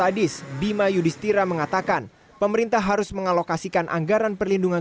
anis dima yudhistira mengatakan pemerintah harus mengalokasikan anggaran perlindungan